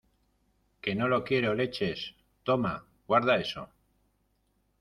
que no lo quiero, leches. toma , guarda eso .